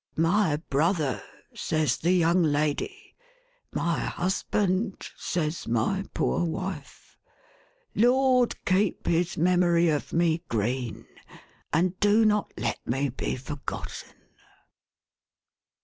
' My brother,"1 says the young lady —' My husband,' says my poor wife. —' Lord, keep his memory of rne, green, and do not let me be forgotten